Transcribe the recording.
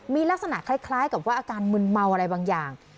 มีลักษณะคล้ายกับว่าอาการมึนเมาอะไรบางอย่าง